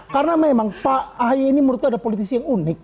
karena memang pak ahy ini menurutku ada politisi yang unik